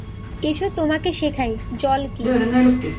এসো তোমাকে শেখাই জল কী!